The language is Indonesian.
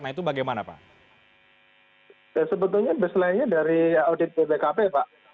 nah itu bagaimana pak